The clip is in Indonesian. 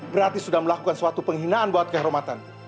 berarti sudah melakukan suatu penghinaan buat kehormatan